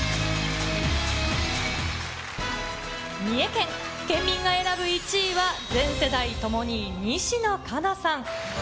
三重県、県民が選ぶ１位は、全世代ともに西野カナさん。